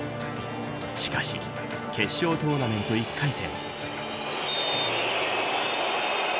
しかし決勝トーナメント１回戦。